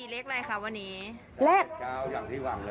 เลข๗กับ๙